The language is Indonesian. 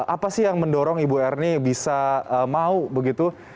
apa sih yang mendorong ibu ernie bisa mau begitu